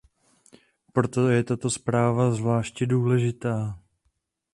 Proto je tato zpráva zvláště důležitá.